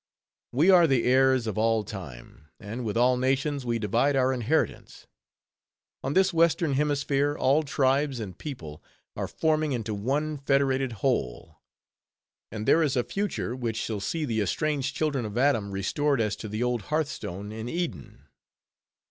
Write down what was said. We are the heirs of all time, and with all nations we divide our inheritance. On this Western Hemisphere all tribes and people are forming into one federated whole; and there is a future which shall see the estranged children of Adam restored as to the old hearthstone in Eden.